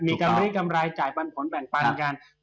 กำลีกำไรจ่ายปันผลแบ่งปันกัน